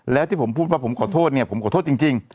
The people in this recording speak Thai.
แล้วที่ผมพูดว่าผมขอโทษเนี่ยผมขอโทษจริง